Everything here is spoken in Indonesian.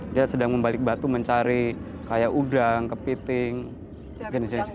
dia sedang membalik batu mencari kayak udang kepiting jenis jenis